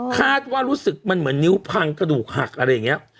คาดว่ารู้สึกมันเหมือนนิ้วพังกระดูกหักอะไรอย่างนี้